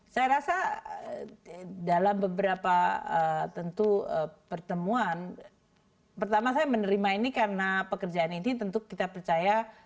saya rasa dalam beberapa tentu pertemuan pertama saya menerima ini karena pekerjaan ini tentu kita percaya